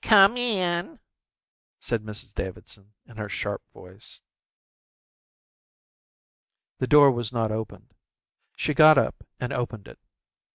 "Come in," said Mrs Davidson, in her sharp voice. The door was not opened. She got up and opened it.